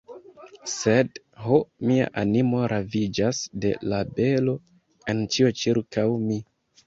Sed, ho, mia animo raviĝas de la belo en ĉio ĉirkaŭ mi.